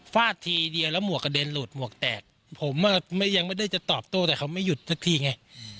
ฟาดทีเดียวแล้วหมวกกระเด็นหลุดหมวกแตกผมยังไม่ได้จะตอบโต้แต่เขาไม่หยุดสักทีไง